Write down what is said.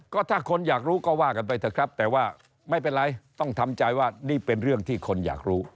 ก็ถ้าคนอยากรู้ก็ว่ากันไปเถอะครับแต่ว่าไม่เป็นไรต้องทำใจว่านี่เป็นเรื่องที่คนอยากรู้